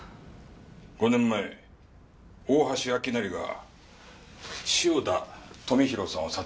５年前大橋明成が汐田富弘さんを殺害した。